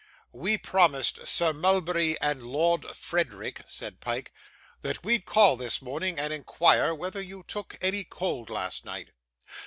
'We promised Sir Mulberry and Lord Frederick,' said Pyke, 'that we'd call this morning and inquire whether you took any cold last night.